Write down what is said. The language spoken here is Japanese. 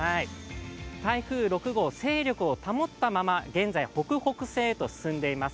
台風６号、勢力を保ったまま現在、北北西を進んでいます。